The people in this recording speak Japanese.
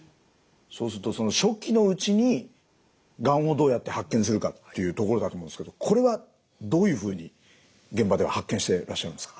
そうするとその初期のうちにがんをどうやって発見するかっていうところだと思うんですけどこれはどういうふうに現場では発見してらっしゃるんですか？